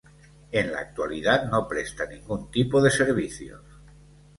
En la actualidad no presta ningún tipo de servicios.